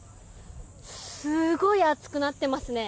すごい熱くなっていますね。